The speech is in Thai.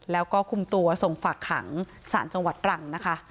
แล้วก็คุมตัวส่งฝากขังสารจังหวัดตรังนะคะ